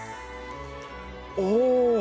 おお！